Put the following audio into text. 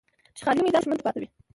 چې خالي میدان به دښمن ته پاتې وي.